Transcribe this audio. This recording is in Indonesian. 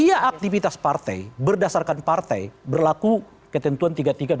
nah aktivitas partai berdasarkan partai berlaku ketentuan tiga puluh tiga dua ribu delapan belas